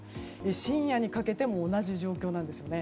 深夜にかけても同じ状況なんですよね。